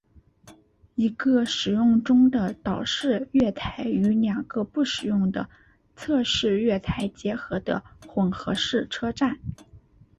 一个使用中的岛式月台与两个不使用的侧式月台结合的混合式车站。